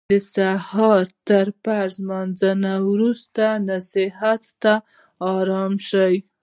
د سهار تر فرض لمانځه وروسته نصیحت ته اړم شو.